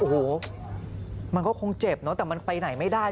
โอ้โหมันก็คงเจ็บเนอะแต่มันไปไหนไม่ได้